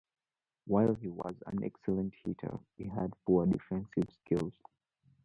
While he was an excellent hitter, he had poor defensive skills.